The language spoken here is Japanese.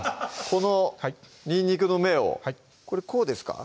このにんにくの芽をはいこれこうですか？